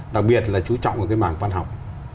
đặc biệt là chú trọng vào cái mảng văn học